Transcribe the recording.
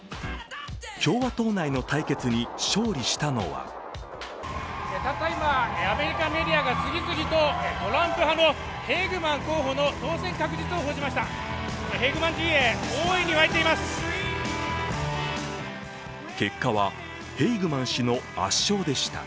共和党内の対決に勝利したのはたった今、アメリカメディアが次々とトランプ派のヘイグマン候補の当選確実を報じました。